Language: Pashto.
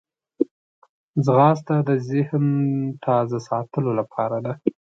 ځغاسته د ذهن تازه ساتلو لاره ده